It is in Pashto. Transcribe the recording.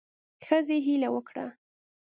ښځې هیله وکړه